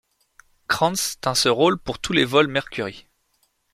Kranz tint ce rôle pour tous les vols Mercury.